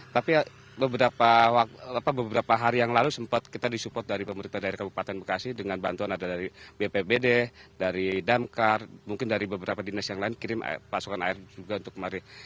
tapi beberapa hari yang lalu sempat kita disupport dari pemerintah dari kabupaten bekasi dengan bantuan ada dari bpbd dari damkar mungkin dari beberapa dinas yang lain kirim pasokan air juga untuk kemarin